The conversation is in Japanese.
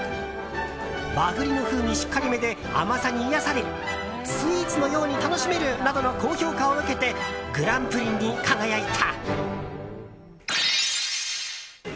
和栗の風味しっかりめで甘さに癒やされるスイーツのように楽しめるなどの高評価を受けてグランプリに輝いた。